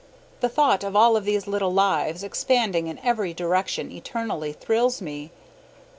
The thought of all of these little lives expanding in every direction eternally thrills me.